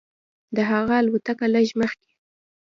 د هغه الوتکه لږ مخکې.